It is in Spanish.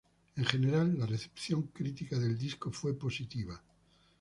En general, la recepción crítica del disco fue positiva.